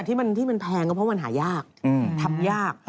ที่มันแพงก็เพราะมันหายากทำยาก